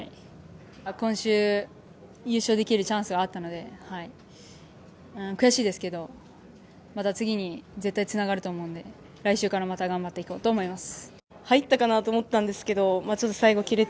今週、優勝できるチャンスはあったので悔しいですけど、また次に絶対つながると思うので来週からまた頑張っていこうと思います。